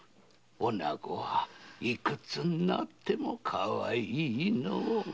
女ごは幾つになってもかわいいのう。